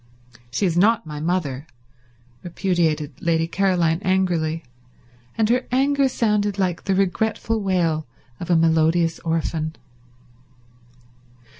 "She is not my mother," repudiated Lady Caroline angrily; and her anger sounded like the regretful wail of a melodious orphan.